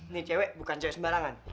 nih cewe bukan cewe sembarangan